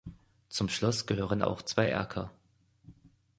Zum Schloss gehören auch zwei Erker.